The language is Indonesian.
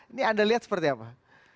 ini anda lihat seperti apa